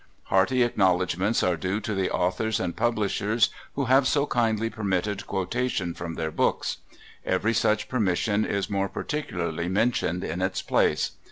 Hearty acknowledgments are due to the authors and publishers who have so kindly permitted quotation from their books. Every such permission is more particularly mentioned in its place.